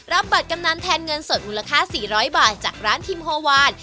รับบัตรกำนันแทนเงินสดมูลค่า๔๐๐บาทจากร้านทิมโฮวาน